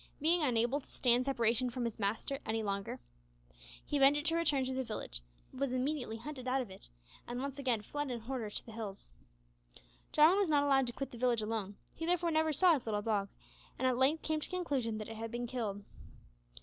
Being unable to stand separation from his master any longer, he ventured to return to the village, but was immediately hunted out of it, and once again fled in horror to the hills. Jarwin was not allowed to quit the village alone, he therefore never saw his little dog, and at length came to the conclusion that it had been killed.